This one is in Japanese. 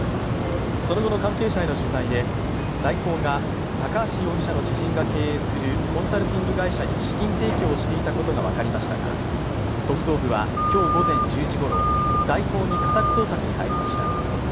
その後の関係者への取材で大広が高橋容疑者の知人が経営するコンサルティング会社に資金提供していたことが分かりましたが、特捜部は今日午前１０時ごろ、大広に家宅捜索に入りました。